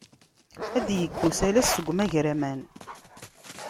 Ad d-yekk usalas seg umagraman.